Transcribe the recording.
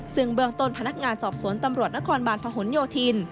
ซึ่งเบื้องต้นพนักงานสอบสวนตำรวจนครบาลพหนโยธิน